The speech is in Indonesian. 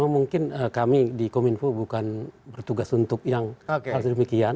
mungkin kami di kominfo bukan bertugas untuk yang harus demikian